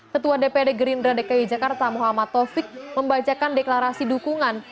ketua dpd gerindra dki jakarta muhammad taufik membacakan deklarasi dukungan